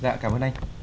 dạ cảm ơn anh